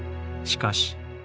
しかし。